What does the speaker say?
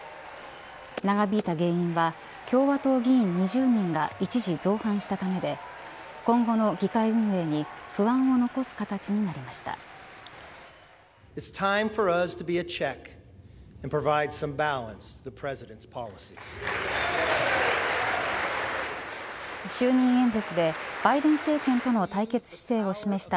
長引いた原因は共和党議員２０人が一時造反したためで今後の議会運営に不安を残す形になりました。